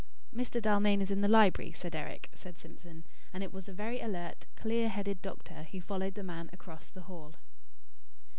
"Mr. Dalmain is in the library, Sir Deryck," said Simpson; and it was a very alert, clear headed doctor who followed the man across the hall.